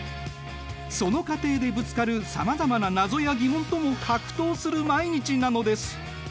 その過程でぶつかるさまざまな謎や疑問とも格闘する毎日なのです。